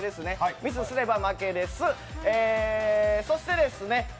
ミスすれば負けです。